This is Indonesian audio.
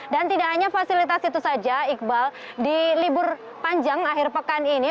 dan tidak hanya fasilitas itu saja iqbal di libur panjang akhir pekan ini